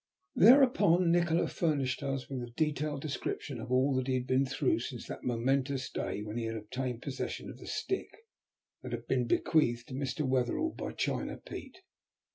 Thereupon Nikola furnished us with a detailed description of all that he had been through since that momentous day when he had obtained possession of the stick that had been bequeathed to Mr. Wetherall by China Pete.